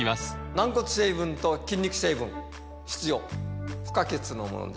軟骨成分と筋肉成分必要不可欠のものです